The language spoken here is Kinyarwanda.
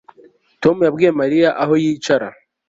Tom yabwiye Mariya aho yicara